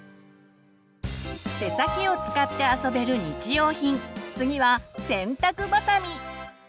手先を使って遊べる日用品次は洗濯ばさみ。